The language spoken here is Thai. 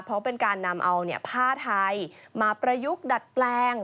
เพราะเป็นการนำเอาผ้าไทยมาประยุกต์ดัดแปลง